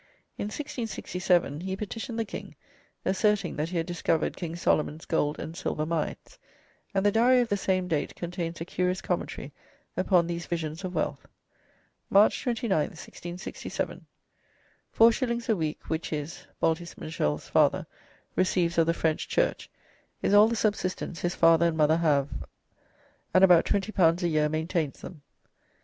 In 1667 he petitioned the king, asserting that he had discovered King Solomon's gold and silver mines, and the Diary of the same date contains a curious commentary upon these visions of wealth: "March 29, 1667. 4s. a week which his (Balty St. Michel's) father receives of the French church is all the subsistence his father and mother have, and about; L20 a year maintains them."